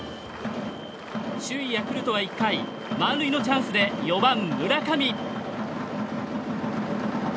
首位ヤクルトは満塁のチャンスで４番、村上。